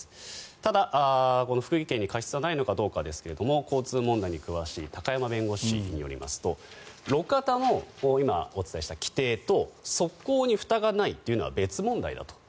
ただ、この福井県に過失はないのかどうかですが交通問題に詳しい高山弁護士によりますと路肩の今、お伝えした規定と側溝にふたがないというのは別問題だと。